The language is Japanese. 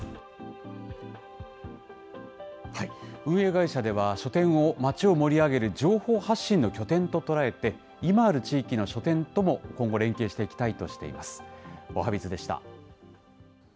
運営会社では、書店を町を盛り上げる情報発信の拠点と捉えて、今ある地域の書店とも今後、連携していきたいとしています。